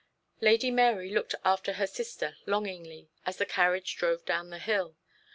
Lady Mary looked after her sister longingly, as the carriage drove down the hill.